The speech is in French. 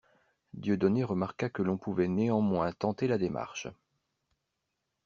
Dieudonné remarqua que l'on pouvait néanmoins tenter la démarche.